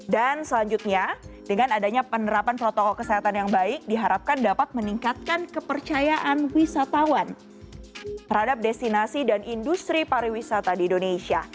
dan selanjutnya dengan adanya penerapan protokol kesehatan yang baik diharapkan dapat meningkatkan kepercayaan wisatawan terhadap destinasi dan industri pariwisata di indonesia